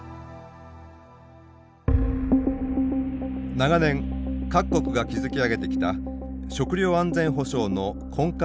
長年各国が築き上げてきた食料安全保障の根幹が揺らぐ事態